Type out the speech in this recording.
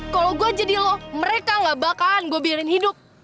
kalau gue jadi loh mereka gak bakalan gue biarin hidup